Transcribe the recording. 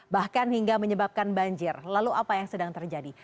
bahkan hingga menyebabkan banjir lalu apa yang sedang terjadi